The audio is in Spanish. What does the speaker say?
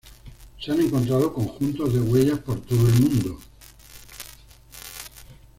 Se han encontrado conjuntos de huellas por todo el mundo.